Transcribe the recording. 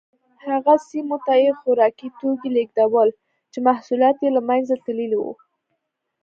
هغه سیمو ته یې خوراکي توکي لېږدول چې محصولات یې له منځه تللي وو